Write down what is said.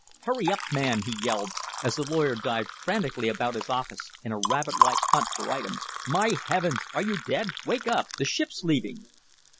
"Hurry up, man," he yelled, as the lawyer dived frantically about his office in a rabbit like hunt for items. "My Heavens! Are you dead? Wake up! The ship's leaving."